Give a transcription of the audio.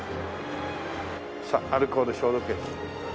さあアルコール消毒液。